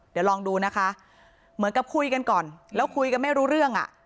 เดี๋ยวลองดูนะคะเหมือนกับคุยกันก่อนแล้วคุยกันไม่รู้เรื่องอ่ะ